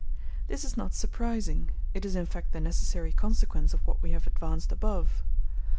This is not surprising; it is in fact the necessary consequence of what we have advanced above.